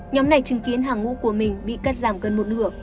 nhóm này chứng kiến hàng ngũ của mình bị cắt giảm gần một nửa